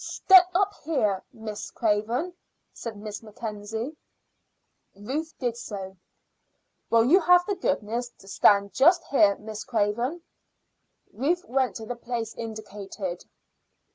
"Step up here, Miss Craven," said Miss Mackenzie. Ruth did so. "Will you have the goodness to stand just here, Miss Craven?" Ruth went to the place indicated.